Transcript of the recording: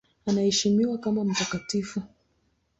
Anaheshimiwa kama mtakatifu.